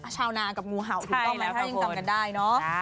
ชาวนากับงูเห่าถูกต้องไหมถ้ายังจำกันได้เนอะ